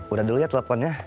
udah dulu ya teleponnya